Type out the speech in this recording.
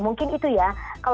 mungkin itu ya